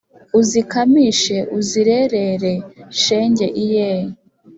Uzikamishe uzirerere shenge iyeee